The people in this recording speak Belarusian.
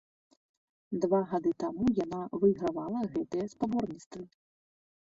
Два гады таму яна выйгравала гэтыя спаборніцтвы.